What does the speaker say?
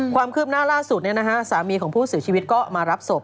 ความคืบหน้าล่าสุดสามีของผู้เสียชีวิตก็มารับศพ